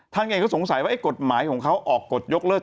ยังไงก็สงสัยว่ากฎหมายของเขาออกกฎยกเลิก